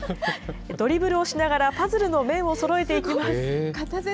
ドリブルをしながらパズルの面をそろえていきます。